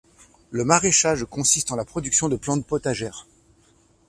Le maraîchage consiste en la production de plantes potagères.